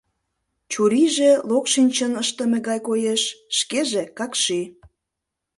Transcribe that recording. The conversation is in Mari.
Чурийже локшинчын ыштыме гай коеш, шкеже какши.